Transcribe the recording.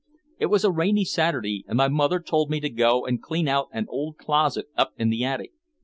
It was a rainy Saturday and my mother told me to go and clean out an old closet up in the attic.